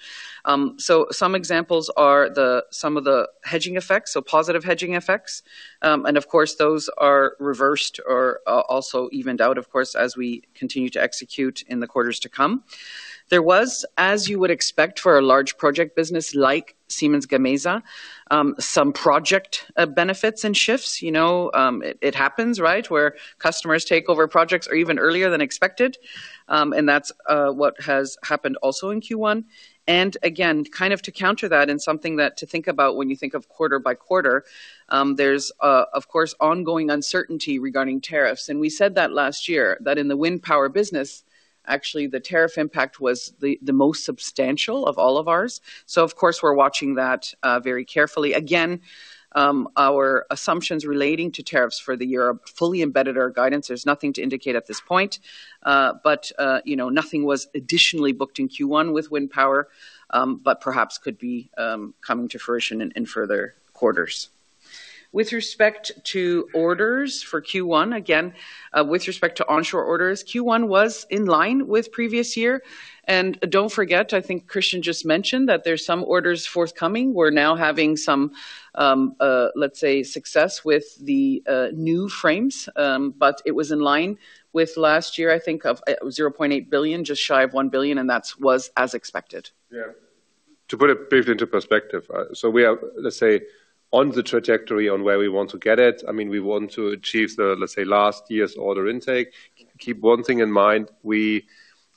So some examples are some of the hedging effects, so positive hedging effects. And of course, those are reversed or also evened out, of course, as we continue to execute in the quarters to come. There was, as you would expect for a large project business like Siemens Gamesa, some project benefits and shifts. You know, it happens, right? Where customers take over projects or even earlier than expected, and that's what has happened also in Q1. And again, kind of to counter that and something that to think about when you think of quarter by quarter, there's, of course, ongoing uncertainty regarding tariffs. And we said that last year, that in the wind power business, actually, the tariff impact was the most substantial of all of ours. So of course, we're watching that very carefully. Again, our assumptions relating to tariffs for the year are fully embedded our guidance. There's nothing to indicate at this point, but, you know, nothing was additionally booked in Q1 with wind power, but perhaps could be coming to fruition in further quarters. With respect to orders for Q1, again, with respect to onshore orders, Q1 was in line with previous year. Don't forget, I think Christian just mentioned, that there's some orders forthcoming. We're now having some, let's say, success with the new frames. But it was in line with last year, I think, of 0.8 billion, just shy of 1 billion, and that was as expected. Yeah. To put it briefly into perspective, so we are, let's say, on the trajectory on where we want to get it. I mean, we want to achieve the, let's say, last year's order intake. Keep one thing in mind, we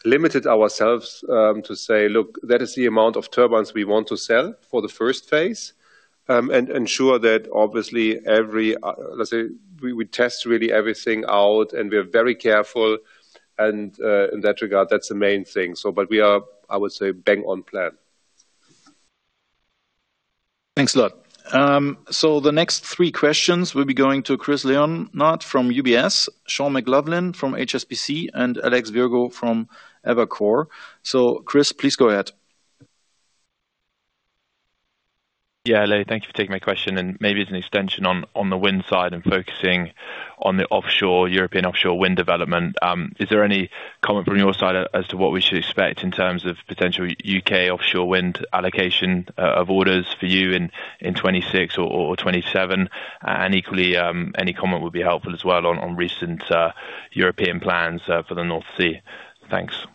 limited ourselves to say, "Look, that is the amount of turbines we want to sell for the first phase," and ensure that obviously every, let's say, we test really everything out and we are very careful, and in that regard, that's the main thing. So but we are, I would say, bang on plan. Thanks a lot. So the next three questions will be going to Chris Leonard from UBS, Sean McLoughlin from HSBC, and Alex Virgo from Evercore. So Chris, please go ahead. Yeah, hello. Thank you for taking my question, and maybe it's an extension on the wind side and focusing on the offshore, European offshore wind development. Is there any comment from your side as to what we should expect in terms of potential UK offshore wind allocation of orders for you in 2026 or 2027? And equally, any comment would be helpful as well on recent European plans for the North Sea. Thanks.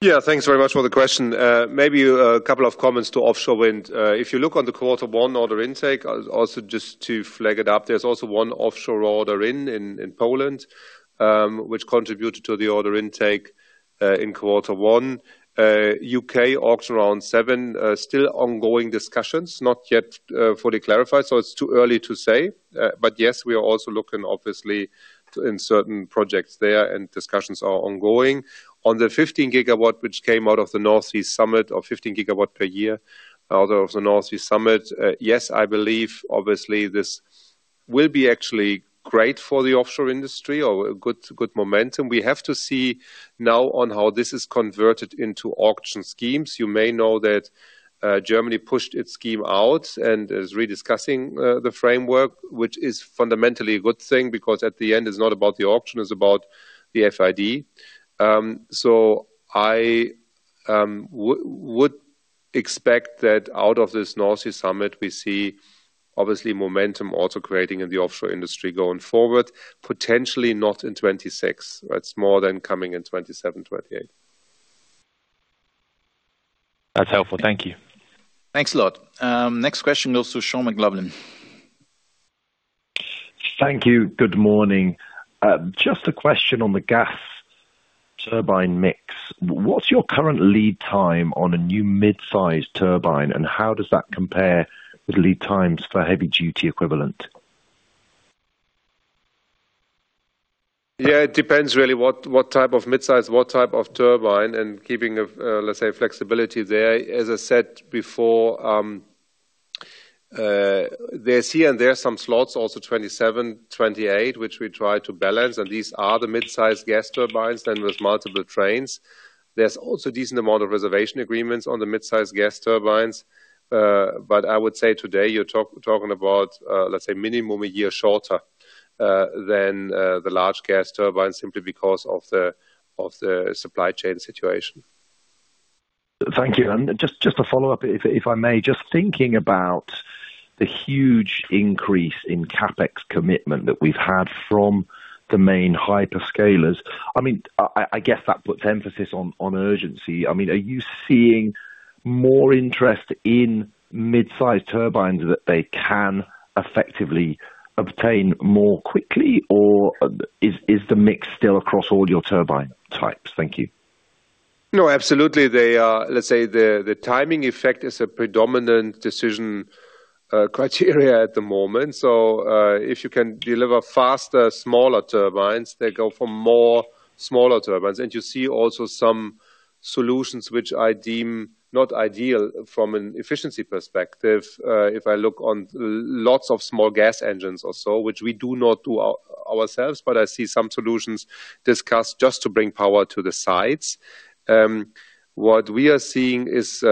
Yeah, thanks very much for the question. Maybe, a couple of comments to offshore wind. If you look on the quarter one order intake, also just to flag it up, there's also one offshore order in Poland, which contributed to the order intake, in quarter one. U.K., Auction Round 7, still ongoing discussions, not yet fully clarified, so it's too early to say. But yes, we are also looking obviously in certain projects there, and discussions are ongoing. On the 15 gigawatt, which came out of the North Sea Summit, or 15 gigawatt per year out of the North Sea Summit, yes, I believe obviously this will be actually great for the offshore industry or good, good momentum. We have to see now on how this is converted into auction schemes. You may know that, Germany pushed its scheme out and is rediscussing, the framework, which is fundamentally a good thing, because at the end, it's not about the auction, it's about the FID. So I, would expect that out of this North Sea Summit, we see obviously momentum also creating in the offshore industry going forward, potentially not in 2026. It's more than coming in 2027, 2028. That's helpful. Thank you. Thanks a lot. Next question goes to Sean McLoughlin. Thank you. Good morning. Just a question on the gas turbine mix. What's your current lead time on a new mid-size turbine, and how does that compare with lead times for heavy duty equivalent? Yeah, it depends really, what type of mid-size, what type of turbine, and keeping a, let's say, flexibility there. As I said before, there's here and there are some slots, also 2027, 2028, which we try to balance, and these are the mid-size gas turbines than with multiple trains. There's also decent amount of reservation agreements on the mid-size gas turbines. But I would say today, you're talking about, let's say, minimum a year shorter than the large gas turbines simply because of the supply chain situation. Thank you. And just to follow up, if I may, just thinking about the huge increase in CapEx commitment that we've had from the main hyperscalers, I mean, I guess that puts emphasis on urgency. I mean, are you seeing more interest in mid-size turbines that they can effectively obtain more quickly, or is the mix still across all your turbine types? Thank you. No, absolutely, they are... Let's say the timing effect is a predominant decision criteria at the moment. So, if you can deliver faster, smaller turbines, they go for more smaller turbines. And you see also some solutions which I deem not ideal from an efficiency perspective. If I look on lots of small gas engines or so, which we do not do ourselves, but I see some solutions discussed just to bring power to the sites. What we are seeing is,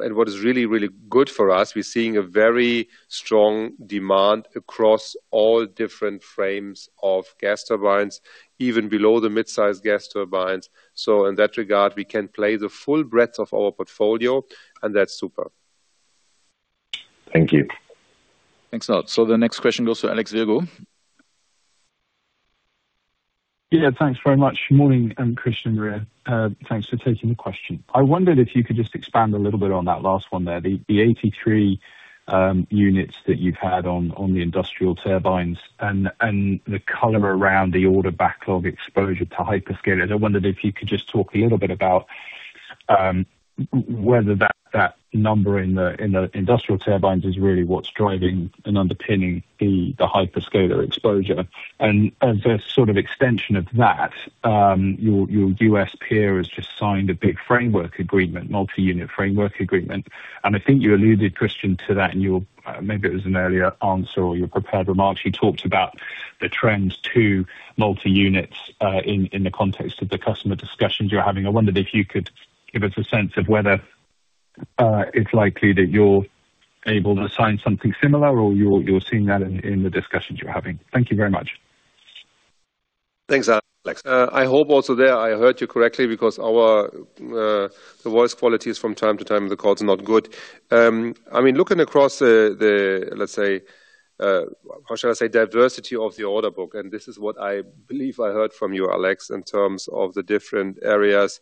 and what is really, really good for us, we're seeing a very strong demand across all different frames of gas turbines, even below the mid-size gas turbines. So in that regard, we can play the full breadth of our portfolio, and that's super. Thank you. Thanks a lot. So the next question goes to Alex Virgo.... Yeah, thanks very much. Morning, Christian, Maria. Thanks for taking the question. I wondered if you could just expand a little bit on that last one there. The 83 units that you've had on the industrial turbines and the color around the order backlog exposure to hyperscalers. I wondered if you could just talk a little bit about whether that number in the industrial turbines is really what's driving and underpinning the hyperscaler exposure. And as a sort of extension of that, your US peer has just signed a big framework agreement, multi-unit framework agreement. And I think you alluded, Christian, to that in your, maybe it was an earlier answer or your prepared remarks. You talked about the trends to multi-units in the context of the customer discussions you're having. I wondered if you could give us a sense of whether it's likely that you're able to sign something similar or you're seeing that in the discussions you're having? Thank you very much. Thanks, Alex. I hope also there I heard you correctly because our, the voice quality is from time to time, the call is not good. I mean, looking across the, let's say, how shall I say, diversity of the order book, and this is what I believe I heard from you, Alex, in terms of the different areas.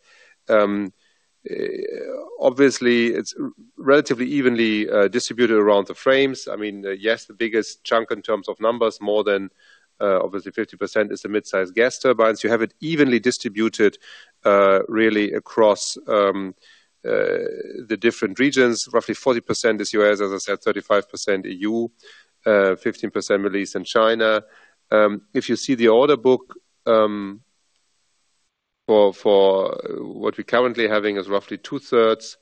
Obviously, it's relatively evenly, distributed around the frames. I mean, yes, the biggest chunk in terms of numbers, more than, obviously 50% is the mid-sized gas turbines. You have it evenly distributed, really across, the different regions. Roughly 40% is US, as I said, 35% EU, 15% Middle East and China. If you see the order book, for what we're currently having is roughly two-thirds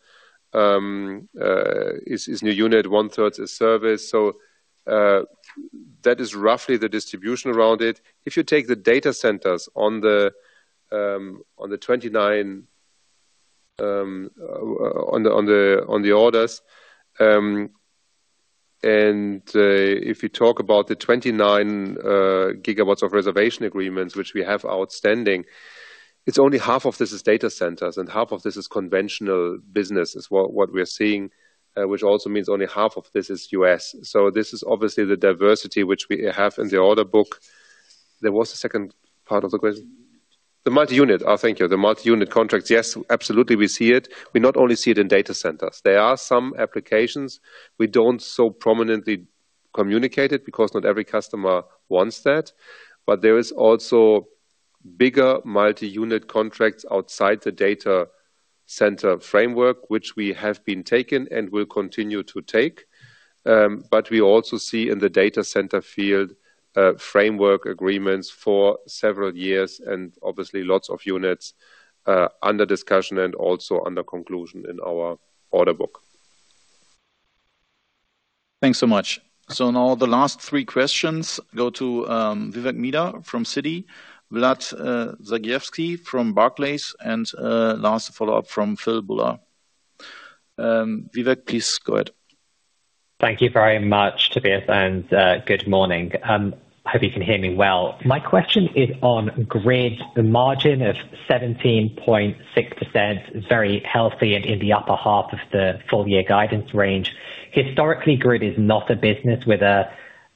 is new unit, one-third is service. So, that is roughly the distribution around it. If you take the data centers on the 29 on the orders, and if you talk about the 29 gigawatts of reservation agreements, which we have outstanding, it's only half of this is data centers, and half of this is conventional businesses. What we're seeing, which also means only half of this is U.S. So this is obviously the diversity which we have in the order book. There was a second part of the question? The multi-unit. Oh, thank you. The multi-unit contracts. Yes, absolutely, we see it. We not only see it in data centers. There are some applications we don't so prominently communicate it, because not every customer wants that. But there is also bigger multi-unit contracts outside the data center framework, which we have been taking and will continue to take. But we also see in the data center field, framework agreements for several years, and obviously lots of units, under discussion and also under conclusion in our order book. Thanks so much. So now the last three questions go to, Vivek Midha from Citi, Vlad Sergievskii from Barclays, and, last follow-up from Phil Buller. Vivek, please go ahead. Thank you very much, Tobias, and good morning. Hope you can hear me well. My question is on Grid, the margin of 17.6%, very healthy and in the upper half of the full year guidance range. Historically, Grid is not a business with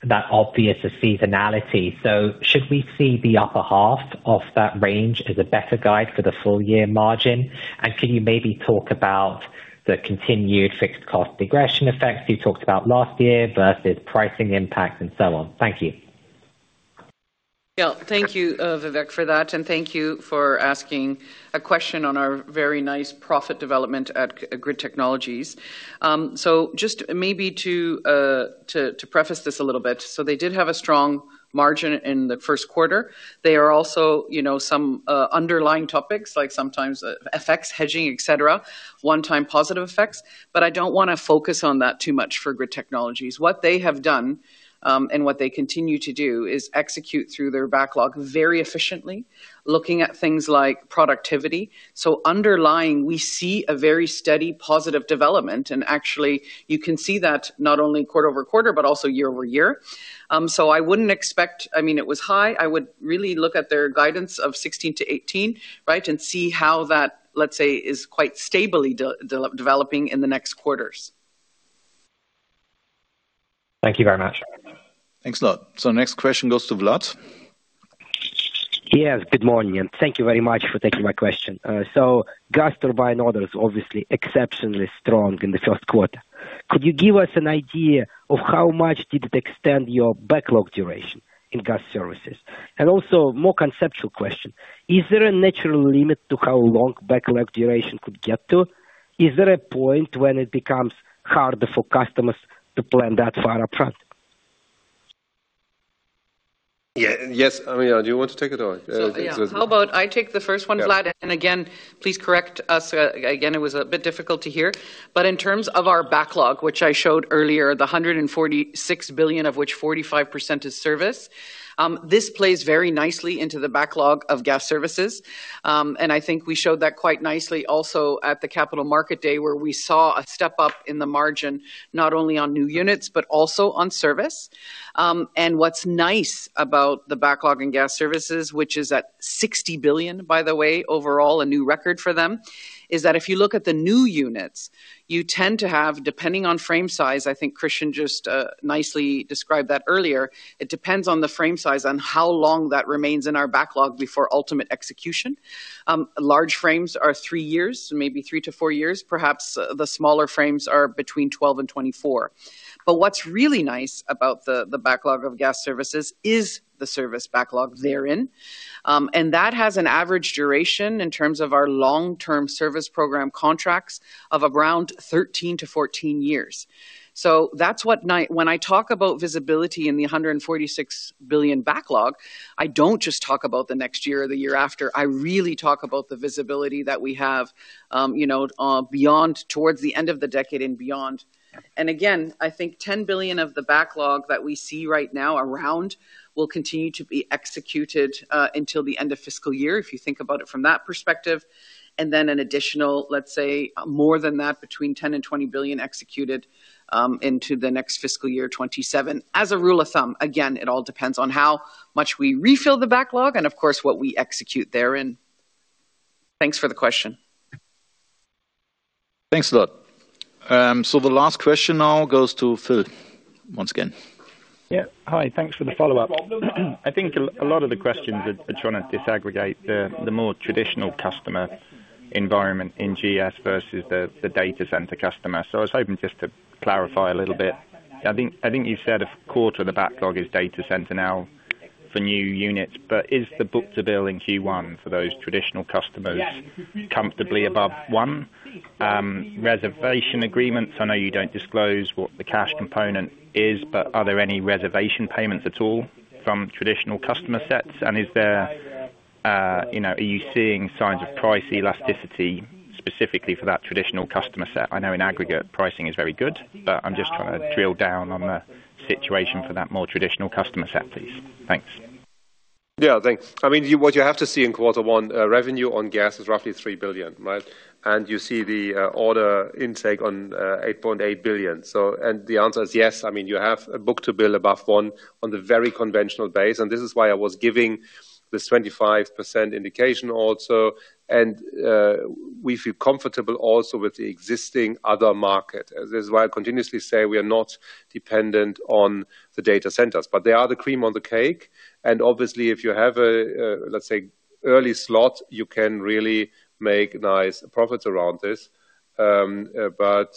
that obvious a seasonality. So should we see the upper half of that range as a better guide for the full year margin? And can you maybe talk about the continued fixed cost regression effects you talked about last year versus pricing impacts and so on? Thank you. Yeah. Thank you, Vivek, for that, and thank you for asking a question on our very nice profit development at Grid Technologies. So just maybe to preface this a little bit, so they did have a strong margin in the first quarter. They are also, you know, some underlying topics, like sometimes FX hedging, et cetera, one-time positive effects, but I don't want to focus on that too much for Grid Technologies. What they have done, and what they continue to do, is execute through their backlog very efficiently, looking at things like productivity. So underlying, we see a very steady positive development, and actually, you can see that not only quarter-over-quarter, but also year-over-year. So I wouldn't expect... I mean, it was high. I would really look at their guidance of 16%-18%, right? See how that, let's say, is quite stably developing in the next quarters. Thank you very much. Thanks a lot. So next question goes to Vlad. Yes, good morning, and thank you very much for taking my question. So gas turbine orders, obviously exceptionally strong in the first quarter. Could you give us an idea of how much did it extend your backlog duration in Gas Services? And also, more conceptual question: Is there a natural limit to how long backlog duration could get to? Is there a point when it becomes harder for customers to plan that far upfront?... Yeah, yes, Maria. Do you want to take it, or should I? So, yeah, how about I take the first one, Vlad? Yeah. Again, please correct us, again, it was a bit difficult to hear. But in terms of our backlog, which I showed earlier, the 146 billion, of which 45% is service, this plays very nicely into the backlog of Gas Services. And I think we showed that quite nicely also at the Capital Markets Day, where we saw a step up in the margin, not only on new units, but also on service. And what's nice about the backlog in Gas Services, which is at 60 billion, by the way, overall, a new record for them, is that if you look at the new units, you tend to have, depending on frame size, I think Christian just nicely described that earlier, it depends on the frame size on how long that remains in our backlog before ultimate execution. Large frames are 3 years, maybe 3-4 years. Perhaps the smaller frames are between 12 and 24. But what's really nice about the, the backlog of Gas Services is the service backlog therein. And that has an average duration in terms of our long-term service program contracts of around 13-14 years. So that's what when I talk about visibility in the 146 billion backlog, I don't just talk about the next year or the year after. I really talk about the visibility that we have, you know, beyond- towards the end of the decade and beyond. Yeah. And again, I think 10 billion of the backlog that we see right now around will continue to be executed until the end of fiscal year, if you think about it from that perspective. And then an additional, let's say, more than that, between 10 billion and 20 billion executed into the next fiscal year, 2027. As a rule of thumb, again, it all depends on how much we refill the backlog and, of course, what we execute therein. Thanks for the question. Thanks a lot. So the last question now goes to Phil, once again. Yeah. Hi, thanks for the follow-up. I think a lot of the questions are trying to disaggregate the more traditional customer environment in GS versus the data center customer. So I was hoping just to clarify a little bit. I think you said a quarter of the backlog is data center now for new units, but is the book-to-bill in Q1 for those traditional customers comfortably above one? Reservation agreements, I know you don't disclose what the cash component is, but are there any reservation payments at all from traditional customer sets? And is there, you know, are you seeing signs of price elasticity specifically for that traditional customer set? I know in aggregate, pricing is very good, but I'm just trying to drill down on the situation for that more traditional customer set, please. Thanks. Yeah, thanks. I mean, you, what you have to see in quarter one, revenue on gas is roughly 3 billion, right? And you see the order intake on 8.8 billion. So, and the answer is yes. I mean, you have a book-to-bill above one on the very conventional base, and this is why I was giving this 25% indication also. And we feel comfortable also with the existing other market. This is why I continuously say we are not dependent on the data centers, but they are the cream on the cake. And obviously, if you have a, let's say, early slot, you can really make nice profits around this. But,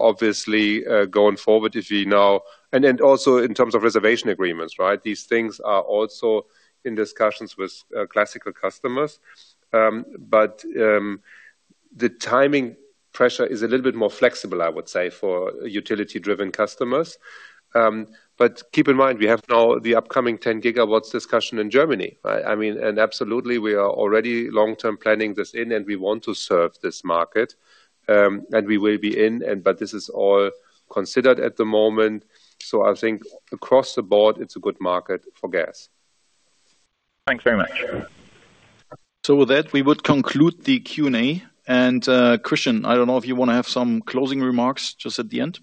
obviously, going forward, if you now... And then also in terms of reservation agreements, right? These things are also in discussions with classical customers. But the timing pressure is a little bit more flexible, I would say, for utility-driven customers. But keep in mind, we have now the upcoming 10 gigawatts discussion in Germany, right? I mean, and absolutely, we are already long-term planning this in, and we want to serve this market, and we will be in, and but this is all considered at the moment. So I think across the board, it's a good market for gas. Thanks very much. With that, we would conclude the Q&A. Christian, I don't know if you want to have some closing remarks just at the end?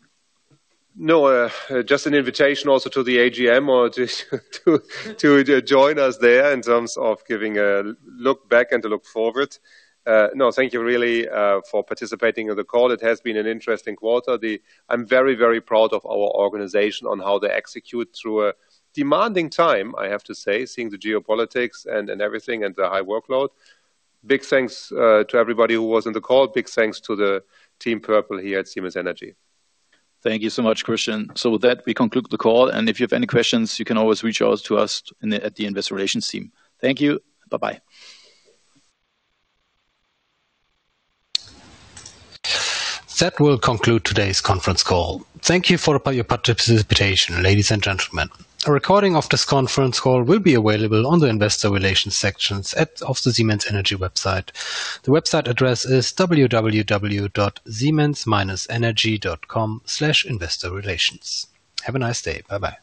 No, just an invitation also to the AGM or just to join us there in terms of giving a look back and a look forward. No, thank you really for participating in the call. It has been an interesting quarter. I'm very, very proud of our organization on how they execute through a demanding time, I have to say, seeing the geopolitics and everything and the high workload. Big thanks to everybody who was on the call. Big thanks to the Team Purple here at Siemens Energy. Thank you so much, Christian. So with that, we conclude the call, and if you have any questions, you can always reach out to us at the investor relations team. Thank you. Bye-bye. That will conclude today's conference call. Thank you for your participation, ladies and gentlemen. A recording of this conference call will be available on the Investor Relations sections of the Siemens Energy website. The website address is www.siemens-energy.com/investorrelations. Have a nice day. Bye-bye.